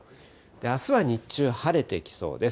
あすは日中晴れてきそうです。